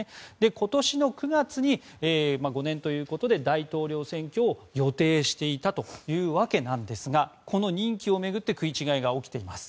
今年の９月に、５年ということで大統領選挙を予定していたというわけなんですがこの任期を巡って食い違いが起きています。